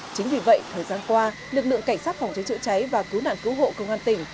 chính vì vậy thời gian qua lực lượng cảnh sát phòng cháy chữa cháy và cứu nạn cứu hộ công an tỉnh